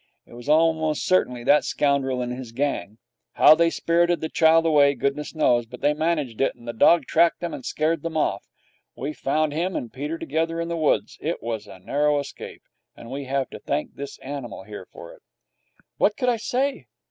It was almost certainly that scoundrel and his gang. How they spirited the child away, goodness knows, but they managed it, and the dog tracked them and scared them off. We found him and Peter together in the woods. It was a narrow escape, and we have to thank this animal here for it.' What could I say?